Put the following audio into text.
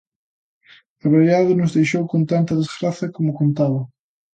Abraiados nos deixou con tanta desgraza como contaba!